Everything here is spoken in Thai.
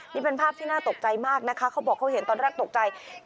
นี่เป็นภาพที่น่าตกใจมากนะคะเขาบอกเขาเห็นตอนแรกตกใจ